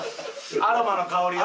アロマの香りが。